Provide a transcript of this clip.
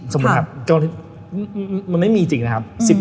สมมุติครับมันไม่มีจริงนะครับ